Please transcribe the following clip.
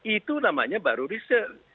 itu namanya baru riset